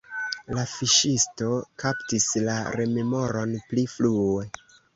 La fiŝisto kaptis la remoron pli frue.